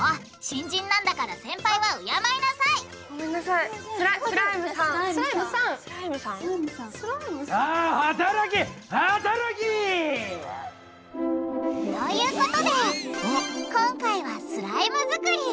新人なんだから先輩は敬いなさい！ということで今回はスライム作り！